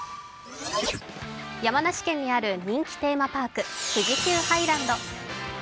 山梨県にある人気テーマパーク、富士急ハイランド。